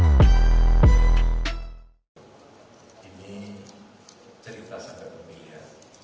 ini cerita sangat unik ya